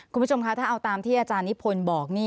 คุณผู้ชมคะถ้าเอาตามที่อาจารย์นิพนธ์บอกนี่